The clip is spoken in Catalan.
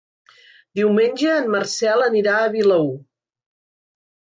Diumenge en Marcel anirà a Vilaür.